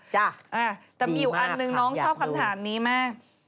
จ้ะดีมากค่ะอยากดูแต่มีอยู่อันนึงน้องชอบคำถามนี้มาก